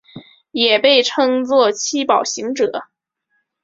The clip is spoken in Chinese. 也被称作七宝行者。